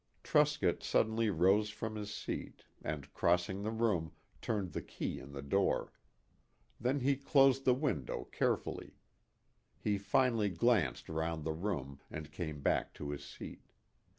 Truscott suddenly rose from his seat, and crossing the room, turned the key in the door. Then he closed the window carefully. He finally glanced round the room, and came back to his seat.